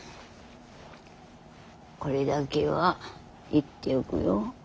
これだけは言っておくよ。